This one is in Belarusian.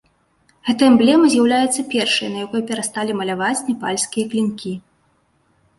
Гэта эмблема з'яўляецца першай, на якой перасталі маляваць непальскія клінкі.